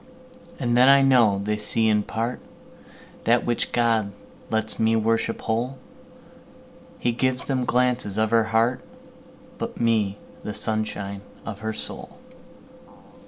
And then I know they see in partThat which God lets me worship whole:He gives them glances of her heart, But me, the sunshine of her soul.